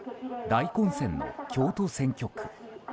大混戦の京都選挙区。